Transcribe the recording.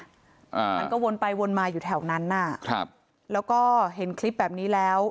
อ่ามันก็วนไปวนมาอยู่แถวนั้นน่ะครับแล้วก็เห็นคลิปแบบนี้แล้ว